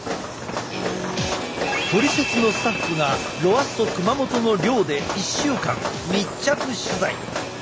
「トリセツ」のスタッフがロアッソ熊本の寮で１週間密着取材！